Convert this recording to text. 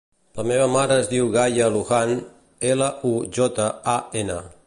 La meva mare es diu Gaia Lujan: ela, u, jota, a, ena.